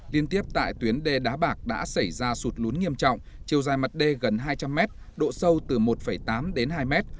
liên tiếp tại tuyến d đá bạc đã xảy ra sụt lún nghiêm trọng chiều dài mặt d gần hai trăm linh mét độ sâu từ một tám đến hai mét